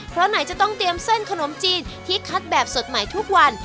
เพราะไหนจะต้องเตรียมเส้นขนมจีนที่คัดแบบสดใหม่ทุกวัน